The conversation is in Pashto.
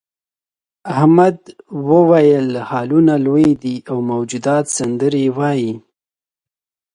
احمد وویل هالونه لوی دي او موجودات سندرې وايي.